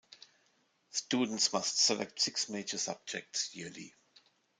Students must select six major subjects yearly.